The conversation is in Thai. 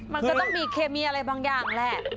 มันก็ต้องมีเคมีอะไรบางอย่างแหละ